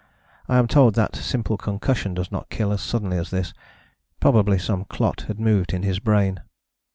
I am told that simple concussion does not kill as suddenly as this: probably some clot had moved in his brain.